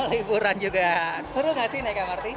liburan juga seru gak sih naik mrt